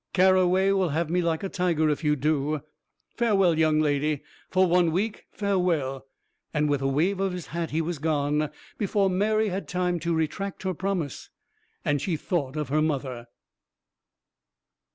Carroway will have me like a tiger if you do. Farewell, young lady for one week, fare well." With a wave of his hat he was gone, before Mary had time to retract her promise; and she thought of her mother.